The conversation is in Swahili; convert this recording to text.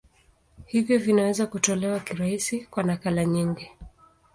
Hivyo vinaweza kutolewa kirahisi kwa nakala nyingi.